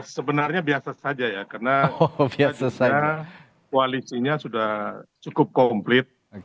sebenarnya biasa saja ya karena juga koalisinya sudah cukup komplit